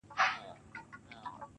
وه ه سم شاعر دي اموخته کړم.